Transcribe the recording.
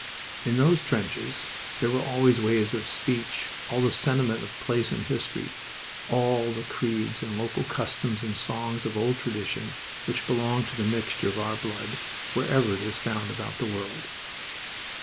In those trenches there were all the ways of speech, all the sentiment of place and history, all the creeds and local customs and songs of old tradition which belong to the mixture of our blood wherever it is found about the world.